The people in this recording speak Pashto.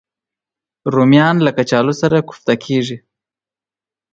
رومیان له کچالو سره کوفته کېږي